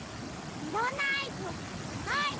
いろんなあいずすごい！